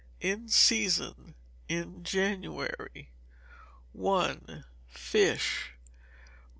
In Season in January. i. Fish.